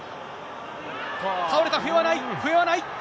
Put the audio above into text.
倒れた、笛はない、笛はない。